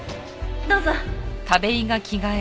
どうぞ。